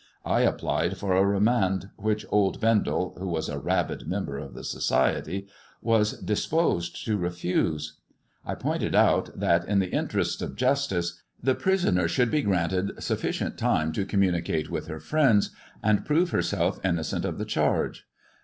I applied for a remand, which old Bendel (who was a rabid member of the society) was dis posed to refuse. I pointed out that, in the interests of justice, the prisoner should be granted sufficient time to communicate with her friends, and prove herself innocent Df the charge.